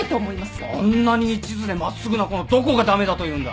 あんなにいちずで真っすぐな子のどこが駄目だというんだ！